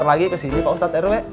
kenapa lagi kesini pak ustadz rw